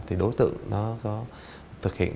thì đối tượng nó có thực hiện